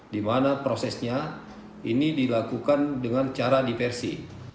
di mana prosesnya ini dilakukan dengan cara diversi